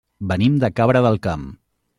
Venim de Cabra del Camp.